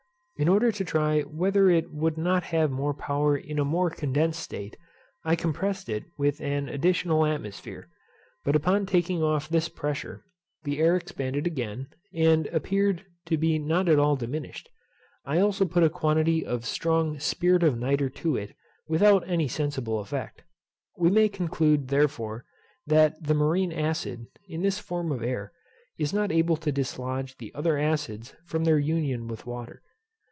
In order to try whether it would not have more power in a more condensed state, I compressed it with an additional atmosphere; but upon taking off this pressure, the air expanded again, and appeared to be not at all diminished. I also put a quantity of strong spirit of nitre to it without any sensible effect. We may conclude, therefore, that the marine acid, in this form of air, is not able to dislodge the other acids from their union with water.